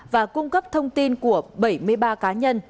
và cung cấp thông tin của bảy mươi ba cá nhân